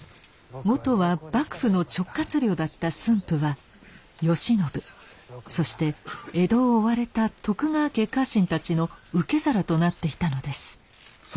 もとは幕府の直轄領だった駿府は慶喜そして江戸を追われた徳川家家臣たちの受け皿となっていたのです。